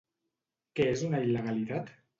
Què és una il·legalitat?